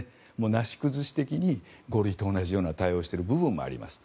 なし崩し的に５類と同じような対応をしている部分もあります。